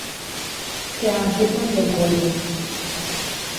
Què ha afirmat Urkullu?